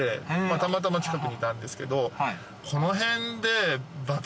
たまたま近くにいたんですけど。